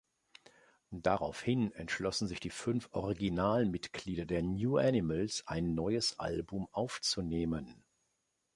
Daraufhin entschlossen sich die fünf Originalmitglieder der "New Animals", ein neues Album aufzunehmen.